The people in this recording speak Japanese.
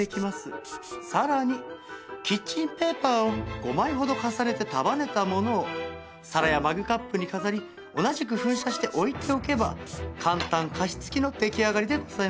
さらにキッチンペーパーを５枚ほど重ねて束ねたものを皿やマグカップに飾り同じく噴射して置いておけば簡単加湿器の出来上がりでございます。